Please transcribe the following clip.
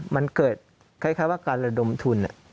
มันเกิดคล้ายว่าการระดมทุน